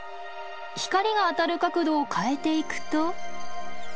光が当たる角度を変えていくと。